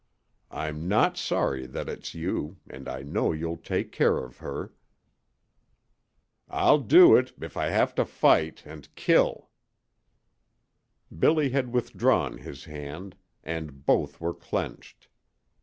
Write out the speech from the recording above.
I'm not sorry that it's you and I know you'll take care of her." "I'll do it if I have to fight and kill!" Billy had withdrawn his hand, and both were clenched.